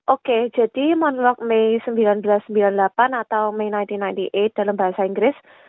oke jadi monolog may seribu sembilan ratus sembilan puluh delapan atau may seribu sembilan ratus sembilan puluh delapan dalam bahasa inggris